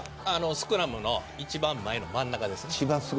スクラムの一番前の真ん中です。